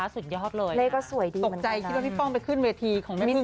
สุดยอดเลยเลขก็สวยดีตกใจคิดว่าพี่ป้องไปขึ้นเวทีของแม่พึ่ง